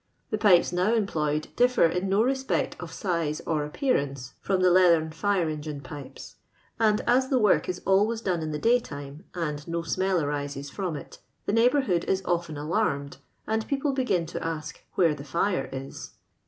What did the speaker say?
Tho pipes now employed difier in no respect of size or appearance ih)m tka leathern fire engine pipes ; and aa the woric ii always done in the daytime, and no smell arises tcom it, the neighbourhood is often alannedfSad people begin to ask where the fire is.